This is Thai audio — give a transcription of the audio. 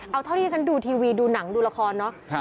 เอาเท่าที่ฉันดูทีวีดูหนังดูละครเนาะ